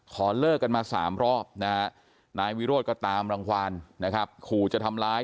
ขอเลิกกันมา๓รอบนายวิโรธก็ตามรังความขู่จะทำร้าย